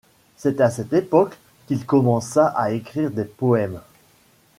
C'est à cette époque qu'il commença à écrire des poèmes.